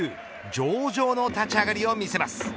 上々の立ち上がりを見せます。